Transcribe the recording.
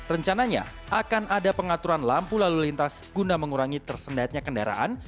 rencananya akan ada pengaturan lampu lalu lintas guna mengurangi tersendatnya kendaraan